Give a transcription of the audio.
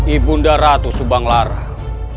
ibunda ratu subanglarang